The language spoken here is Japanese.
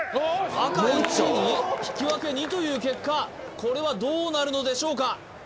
赤１に引き分け２という結果これはどうなるのでしょうか？